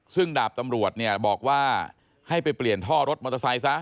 ซึ่งดาบตำรวจเนี่ยบอกว่าให้ไปเปลี่ยนท่อรถมอเตอร์ไซค์ซะ